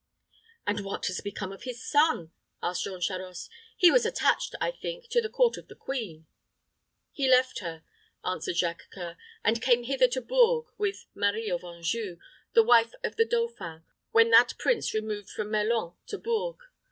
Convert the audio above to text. "And what has become of his son?" asked Jean Charost. "He was attached, I think, to the court of the queen." "He left her," answered Jacques C[oe]ur, "and came hither to Bourges with Marie of Anjou, the wife of the dauphin, when that prince removed from Melun to Bourges.